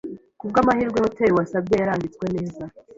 Kubwamahirwe, hoteri wasabye yaranditswe neza.